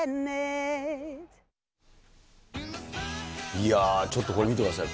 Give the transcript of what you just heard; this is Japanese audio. いやー、ちょっとこれ見てください。